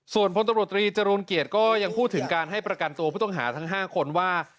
ส่วนพลตำรวจตรีจรูลเกียรติก็ยังพูดถึงการให้ประกันตัวผู้ต้องหาทั้ง๕คนว่า